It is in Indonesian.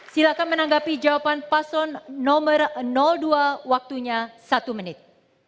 silakan menanggapi jawaban paslon nomor dua waktunya satu menit